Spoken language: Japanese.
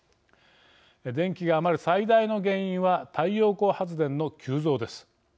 電気が余る最大の原因は太陽光発電の急増です。